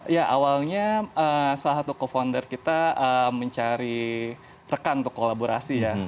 ya awalnya salah satu co founder kita mencari rekan untuk kolaborasi ya